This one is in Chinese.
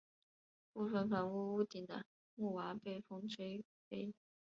部分房屋屋顶的木瓦被风吹飞。